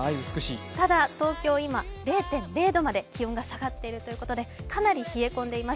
ただ、東京、今０．０度まで気温が下がっているということでかなり冷え込んでいます。